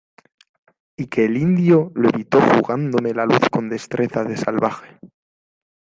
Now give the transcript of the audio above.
y que el indio lo evitó jugándome la luz con destreza de salvaje.